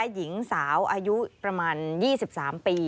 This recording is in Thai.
หญิงสาวอายุประมาณ๒๓ปี